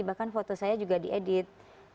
bahkan foto saya juga diedit